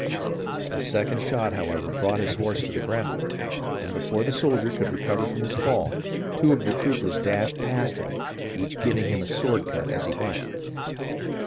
A second shot, how ever, brought his horse to the ground ; and before the sol dier could recover from his fall, two of the troopers dashed past him, each giving him a sword cut as he went.